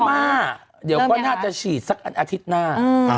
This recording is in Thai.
มาเดี๋ยวก็น่าจะฉีดสักอันอาทิตย์หน้า